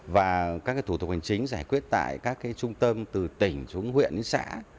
và các thủ tục hành chính giải quyết tại các trung tâm từ tỉnh xuống huyện đến xã